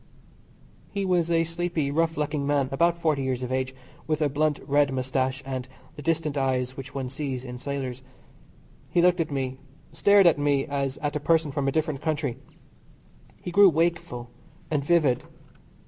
He was a sleepy, rough looking man about 40 years of age, with a blunt red moustache, and the distant eyes which one sees in sailors. He looked at me, stared at me as at a person from a different country. He grew wakeful and vivid.